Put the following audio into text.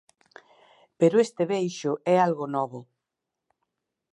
Pero este beixo é algo novo.